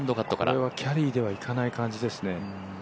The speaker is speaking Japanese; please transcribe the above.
これはキャリーではいかない感じですね。